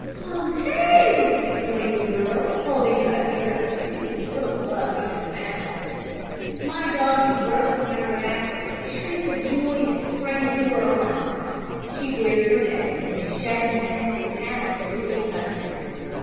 "Pompey!" exclaimed the girl, holding out a pair of the prettiest little gloved hands imaginable. My doggie broke from my grasp with a shriek of joy, and sprang into her arms. She buried her face in his shaggy neck and absolutely hugged him.